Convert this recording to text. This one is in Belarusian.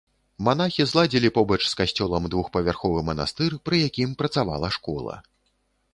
Манахі зладзілі побач з касцёлам двухпавярховы манастыр, пры якім працавала школа.